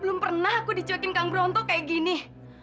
belum pernah aku dicuekin kang bronto kayak gini